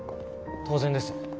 当然です。